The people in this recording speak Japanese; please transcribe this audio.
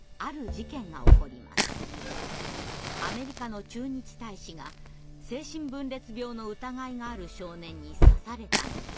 アメリカの駐日大使が精神分裂病の疑いがある少年に刺されたのです。